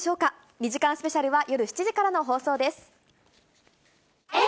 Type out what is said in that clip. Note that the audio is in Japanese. ２時間スペシャルは夜７時からの放送です。